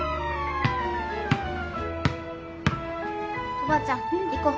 おばあちゃん行こう。